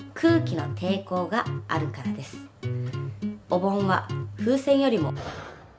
お盆は風船よりも。